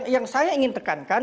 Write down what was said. yang saya ingin tekankan